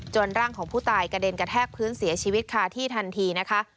ร่างของผู้ตายกระเด็นกระแทกพื้นเสียชีวิตคาที่ทันทีนะคะ